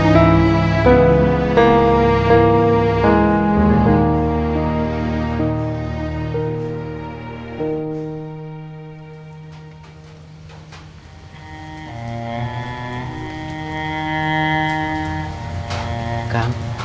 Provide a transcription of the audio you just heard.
mau akan mahkaman keluarga